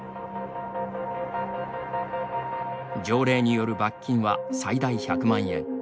条例による罰金は最大１００万円。